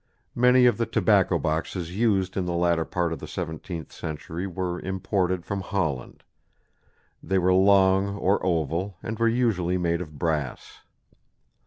Many of the tobacco boxes used in the latter part of the seventeenth century were imported from Holland. They were long or oval and were usually made of brass.